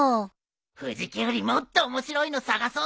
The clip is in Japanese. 藤木よりもっと面白いの探そうぜ！